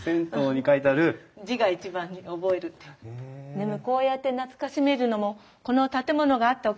でもこうやって懐かしめるのもこの建物があったおかげですよね。